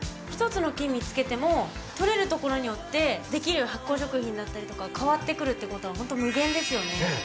つの菌見つけてもとれるところによってできる発酵食品だったりとか変わってくるってことはホント無限ですよねねえ